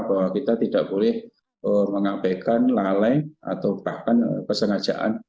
bahwa kita tidak boleh mengampekan laleng atau bahkan kesengajaan